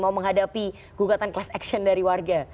mau menghadapi gugatan class action dari warga